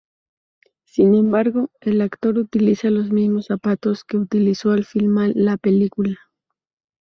Sin embargo, el actor utiliza los mismos zapatos que utilizó al filmar la película.